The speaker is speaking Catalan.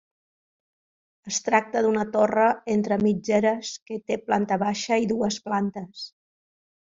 Es tracta d'una torre entre mitgeres que té planta baixa i dues plantes.